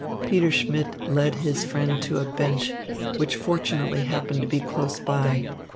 Peter Schmidt led his friend to a bench, which fortunately happened to be close by.